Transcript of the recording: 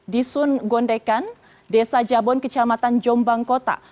di sun gondekan desa jabon kecamatan jombang kota